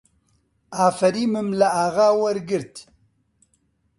ئافەریمم لە ئاغا وەرگرت